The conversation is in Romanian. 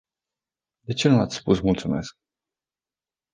De ce nu ați spus "mulțumesc”?